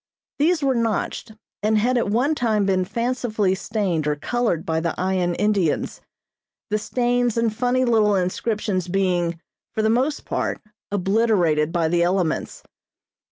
These were notched, and had at one time been fancifully stained or colored by the Ayan Indians, the stains and funny little inscriptions being, for the most part, obliterated by the elements.